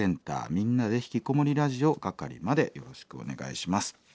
「みんなでひきこもりラジオ」係までよろしくお願いします。